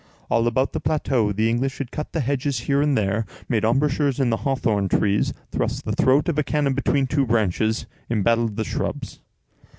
All about the plateau the English had cut the hedges here and there, made embrasures in the hawthorn trees, thrust the throat of a cannon between two branches, embattled the shrubs.